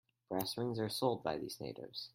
Brass rings are sold by these natives.